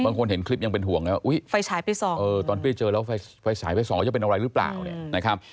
บางคนเห็นคลิปยังเป็นห่วงแล้วอุ้ยตอนที่เจอแล้วไฟสายไฟสองจะเป็นอะไรหรือเปล่า